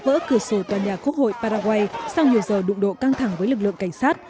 vỡ cửa sổ tòa nhà quốc hội paraguay sau nhiều giờ đụng độ căng thẳng với lực lượng cảnh sát